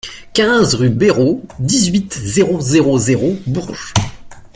quinze rue Béraud, dix-huit, zéro zéro zéro, Bourges